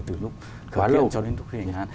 từ lúc khởi kiện cho đến lúc hình hạn